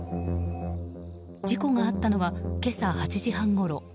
事故があったのは今朝８時半ごろ。